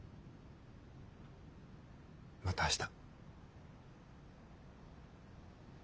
また明日。